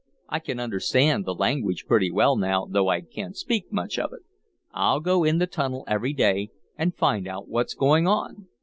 "I can understand the language pretty well now, though I can't speak much of it. I'll go in the tunnel every day and find out what's going on."